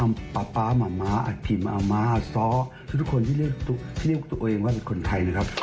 ป๊าป๊าหมาม้าอัดพิมพ์อาม้าซ้อทุกคนที่เรียกตัวเองว่าคนไทยนะครับ